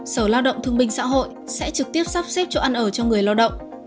sở lao động thương minh xã hội sẽ trực tiếp sắp xếp chỗ ăn ở cho người lao động